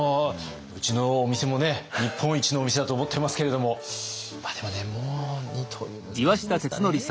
うちのお店もね日本一のお店だと思っていますけれどもまあでもねもう二刀流難しいですかね。